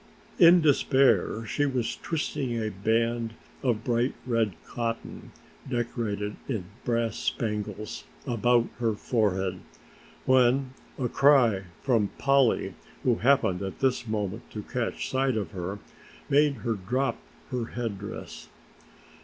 In despair she was twisting a band of bright red cotton decorated in brass spangles about her forehead, when a cry from Polly, who happened at this moment to catch sight of her, made her drop her head dress.